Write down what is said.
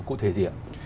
cụ thể gì ạ